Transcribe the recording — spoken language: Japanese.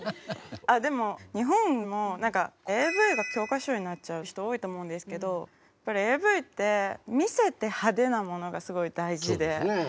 でも日本もＡＶが教科書になっちゃう人多いと思うんですけどやっぱりＡＶって見せて派手なものがすごい大事で。